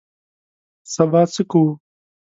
سبا څه کوو؟